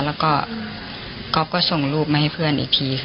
แล้วก็ก๊อฟก็ส่งรูปมาให้เพื่อนอีกที